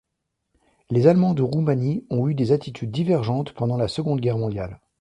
Les Allemands de Roumanie ont eu des attitudes divergentes pendant la Seconde Guerre mondiale.